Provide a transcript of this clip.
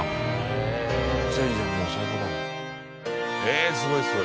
えすごいすごい。